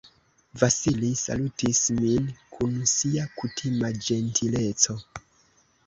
Vasili salutis min kun sia kutima ĝentileco.